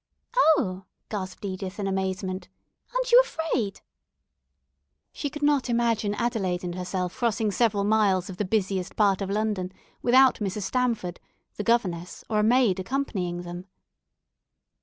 "Oh," gasped Edith in amazement, "aren't you afraid?" She could not imagine Adelaide and herself crossing several miles of the busiest part of London without Mrs. Stamford, the governess, or a maid accompanying them.